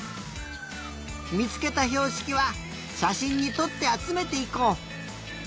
みつけたひょうしきはしゃしんにとってあつめていこう。